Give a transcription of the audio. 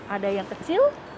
ada yang kecil